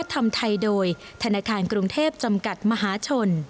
รักวัฒนธรรมไทยโดยธนาคารกรุงเทพฯจำกัดมหาชน